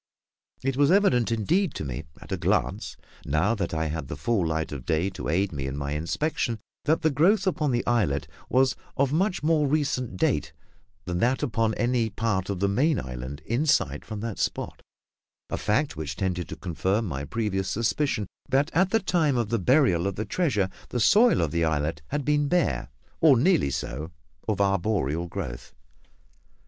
It was evident indeed to me at a glance, now that I had the full light of day to aid me in my inspection, that the growth upon the islet was of much more recent date than that upon any part of the main island in sight from that spot; a fact which tended to confirm my previous suspicion that at the time of the burial of the treasure the soil of the islet had been bare, or nearly so, of arboreal growth.